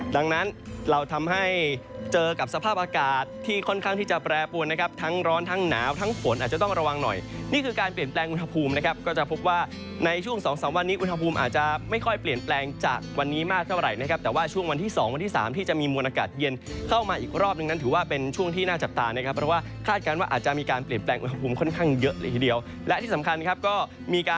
ดังนั้นเราทำให้เจอกับสภาพอากาศที่ค่อนข้างที่จะแปรปรวนนะครับทั้งร้อนทั้งหนาวทั้งฝนอาจจะต้องระวังหน่อยนี่คือการเปลี่ยนแปลงอุณหภูมินะครับก็จะพบว่าในช่วงสองสามวันนี้อุณหภูมิอาจจะไม่ค่อยเปลี่ยนแปลงจากวันนี้มากเท่าไหร่นะครับแต่ว่าช่วงวันที่สองวันที่สามที่จะมีมวลอากาศเย็นเข้ามาอ